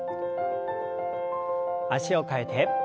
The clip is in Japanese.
脚を替えて。